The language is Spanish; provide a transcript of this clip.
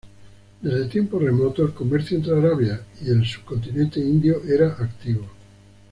Desde tiempos remotos, el comercio entre Arabia y el Subcontinente Indio era activo.